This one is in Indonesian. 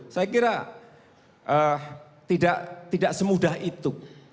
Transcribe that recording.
saya kira tidak semudah itu